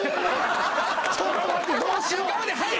ちょっと待ってどうしよう。